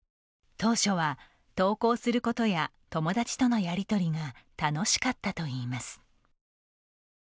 当初は、投稿することや友達とのやりとりが楽しかったといいます。